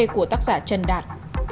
của tác giả trần đạt